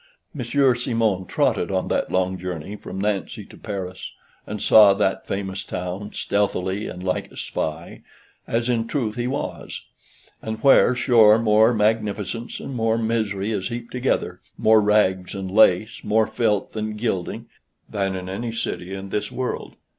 Monsieur Simon trotted on that long journey from Nancy to Paris, and saw that famous town, stealthily and like a spy, as in truth he was; and where, sure, more magnificence and more misery is heaped together, more rags and lace, more filth and gilding, than in any city in this world.